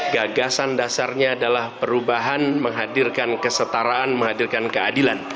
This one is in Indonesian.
gagasan dasarnya adalah perubahan menghadirkan kesetaraan menghadirkan keadilan